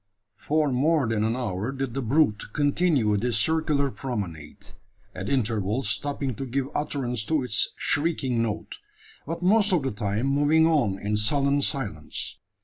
For more than an hour did the brute continue this circular promenade, at intervals stopping to give utterance to its shrieking note; but most of the time moving on in sullen silence.